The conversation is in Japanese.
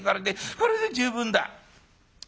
これで十分だ」。